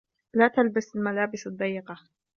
لَا تَلْبَسْ الْمَلاَبِسَ الضَّيِّقَةَ.